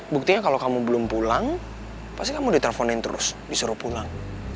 buktinya kalau kamu belum pulang pasti kamu diteleponin terus disuruh pulang